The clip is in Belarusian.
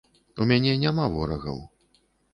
У мяне няма ворагаў.